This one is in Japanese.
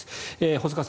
細川さん